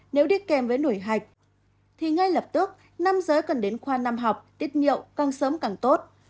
nếu đi kèm với nổi hạch thì ngay lập tức nam giới cần đến khoa năm học tiết nhiệu càng sớm càng tốt